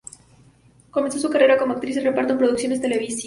Comenzó su carrera como actriz de reparto en producciones televisivas.